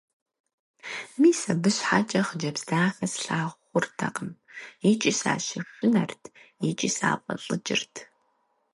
Мис абы щхьэкӀэ хъыджэбз дахэ слъагъу хъуртэкъым – икӀи сащышынэрт, икӀи сафӀэлӀыкӀырт.